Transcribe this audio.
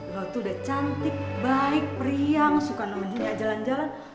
lo tuh udah cantik baik priang suka nemenin dia jalan jalan